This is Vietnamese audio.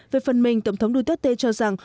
về phần mình tổng thống duterte cho rằng